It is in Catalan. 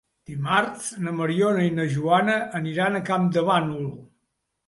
Dimarts na Mariona i na Joana aniran a Campdevànol.